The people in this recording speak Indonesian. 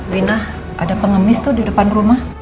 wina ada pengemis tuh di depan rumah